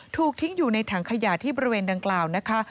ถูกทิ้งอยู่ในถังขยะที่บริเวณดังกล่าวนะคะ